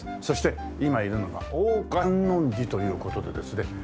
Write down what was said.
そして今いるのは大観音寺という事でですね。